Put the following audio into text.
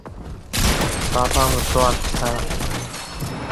বাবা হতো আর্থার!